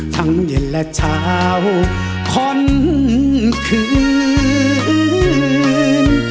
เย็นและเช้าคนคืน